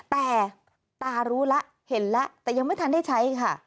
แต่ตารู้แล้วเห็นแล้วแต่ยังไม่ทันได้ใช้ค่ะ